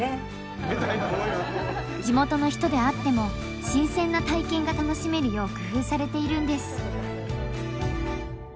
地元の人であっても新鮮な体験が楽しめるよう工夫されているんです。